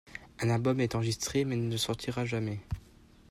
Un album est enregistré mais ne sortira jamais.